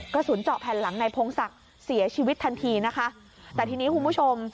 กระสุนเจาะแผ่นหลังนายพงศักดิ์เสียชีวิตทันทีนะคะแต่ทีนี้คุณผู้ชม